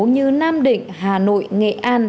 như nam định hà nội nghệ an